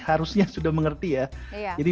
harusnya sudah mengerti ya jadi